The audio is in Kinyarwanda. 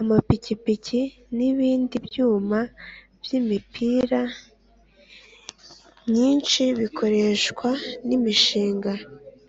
Amapikipiki n’ibindi byuma by’imipira myinshi bikoreshwa n’imishinga